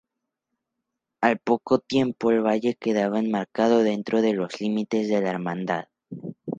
Al poco tiempo, el valle quedaba enmarcado dentro de los límites de la Hermandad.